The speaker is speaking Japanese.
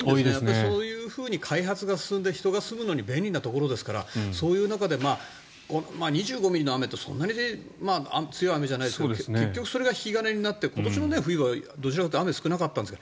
そういうふうに開発が進んで人が住むのに便利なところですからそういう中で２５ミリの雨ってそんなに強い雨じゃないですけど結局それが引き金になって今年の冬はどちらかというと雨が少なかったんですが。